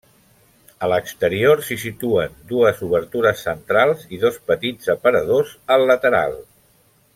A l'exterior s'hi situen dues obertures centrals i dos petits aparadors al lateral.